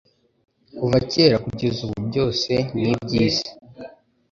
kuva kera kugeza ubu byose ni byi si